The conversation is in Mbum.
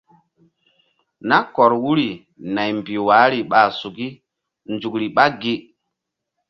Nah kɔr wuri naymbih wahri ɓa suki nzukri ɓa ŋgi̧.